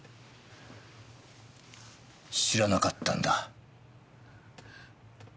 知らなかったんだ？